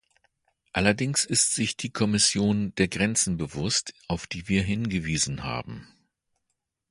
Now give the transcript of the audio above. Allerdings ist sich die Kommission der Grenzen bewusst, auf die wir hingewiesen haben.